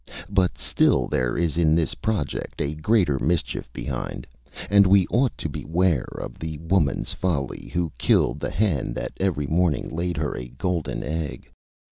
But still there is in this project a greater mischief behind; and we ought to beware of the woman's folly, who killed the hen that every morning laid her a golden egg.